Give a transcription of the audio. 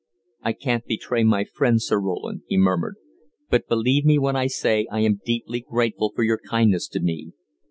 "I can't betray my friends, Sir Roland," he murmured, "but believe me when I say I am deeply grateful for your kindness to me.